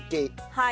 はい。